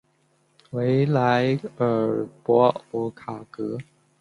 维莱尔博卡格。